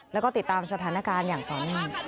แล้วก็ติดตามสถานการณ์อย่างต่อเนื่อง